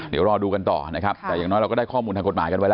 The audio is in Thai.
เดี๋ยวรอดูกันต่อนะครับแต่อย่างน้อยเราก็ได้ข้อมูลทางกฎหมายกันไว้แล้ว